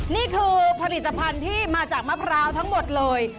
นี่คือผลิตภัณฑ์ที่มาจากมะพร้าวทั้งหมดเลย